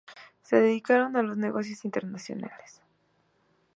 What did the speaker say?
Se dedicaron a los negocios internacionales.